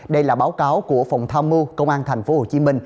đây là báo cáo của phòng tham mưu công an tp hcm